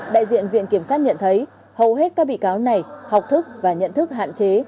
đại diện viện kiểm sát nhận thấy hầu hết các bị cáo này học thức và nhận thức hạn chế